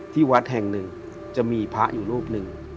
ที่วัดแห่งหนึ่งจะมีพระอยู่รูปหนึ่ง